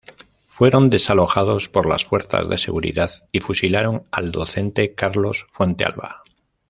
Fueron desalojados por las fuerzas de seguridad y fusilaron al docente Carlos Fuentealba.